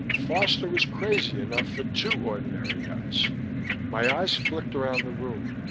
Foster was crazy enough for two ordinary nuts. My eyes flicked around the room.